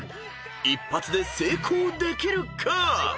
［一発で成功できるか⁉］